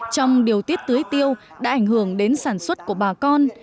trong điều tiết tưới tiêu đã ảnh hưởng đến sản xuất của bà con